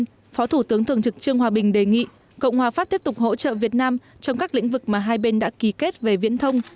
tại buổi tiếp phó thủ tướng thường trực chương hòa bình đề nghị cộng hòa pháp tiếp tục hỗ trợ việt nam trong các lĩnh vực mà hai bên đã ký kết về viễn thông